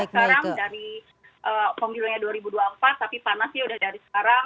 sekarang dari pemilunya dua ribu dua puluh empat tapi panasnya udah dari sekarang